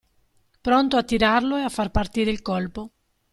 Pronto a tirarlo e a far partire il colpo.